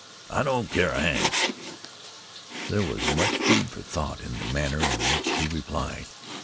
I don't care a hang." There was much food for thought in the manner in which he replied.